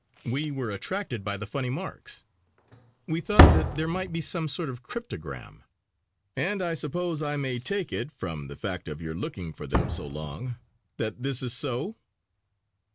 We were attracted by the funny marks. We thought that there might be some sort of cryptogram; and I suppose I may take it, from the fact of your looking for them so long, that this is so?"